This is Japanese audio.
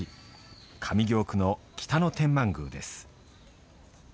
上京区の北野天満宮です。